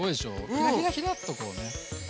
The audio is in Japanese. ひらひらひらっとこうね。